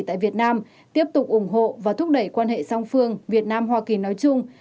tại việt nam tiếp tục ủng hộ và thúc đẩy quan hệ song phương việt nam hoa kỳ nói chung